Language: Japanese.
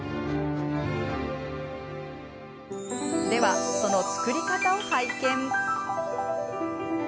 では、その作り方を拝見。